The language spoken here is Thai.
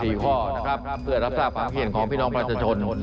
เดี๋ยวผมอยากฝากผลักษณ์และคอมพิเศษที่โอ้ย๗ขี้มาของพี่น้องประชาชน